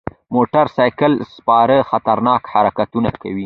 موټر سایکل سپاره خطرناک حرکتونه کوي.